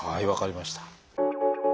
はい分かりました。